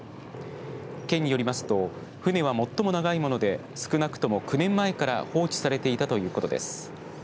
県によりますと船は、最も長いもので少なくとも９年前から放置されていたということです。